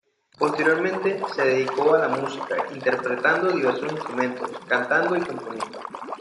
Posteriormente se dedicó a la música, interpretando diversos instrumentos, cantando y componiendo.